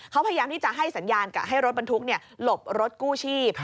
เขาพยายามที่จะให้สัญญาณกับให้รถบรรทุกหลบรถกู้ชีพ